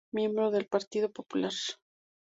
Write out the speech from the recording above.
Miembro del Partido Popular.